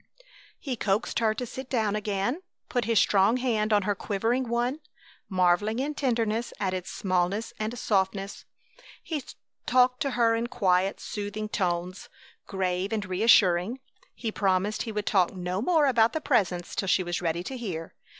He coaxed her to sit down again, put his strong hand on her quivering one, marveling in tenderness at its smallness and softness. He talked to her in quiet, soothing tones, grave and reassuring. He promised he would talk no more about the Presence till she was ready to hear.